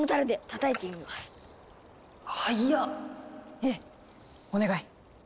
ええお願い。